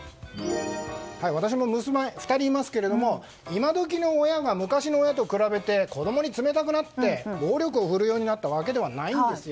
私も娘が２人いますが今どきの親が昔の親と比べて子供に冷たくなって暴力を振るうようになったわけではないんです。